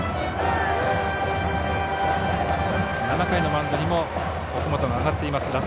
７回のマウンドにも奥本が上がっています。